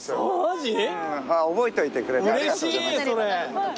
覚えといてくれてありがとうございます。